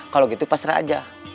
kalo gitu pasrah aja